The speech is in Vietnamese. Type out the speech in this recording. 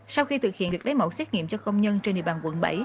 sau khi thực hiện việc lấy mẫu xét nghiệm cho công nhân trên địa bàn quận bảy